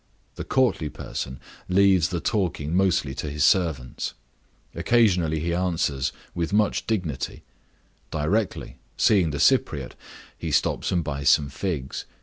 The courtly person leaves the talking mostly to his servants; occasionally he answers with much dignity; directly, seeing the Cypriote, he stops and buys some figs.